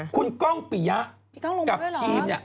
คุณก้องปิยะกับทีมเนี่ย